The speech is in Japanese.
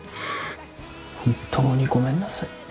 本当にごめんなさい。